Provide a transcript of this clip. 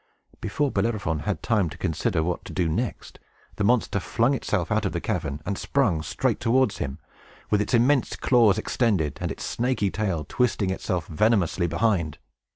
Before Bellerophon had time to consider what to do next, the monster flung itself out of the cavern and sprung straight towards him, with its immense claws extended, and its snaky tail twisting itself venomously behind.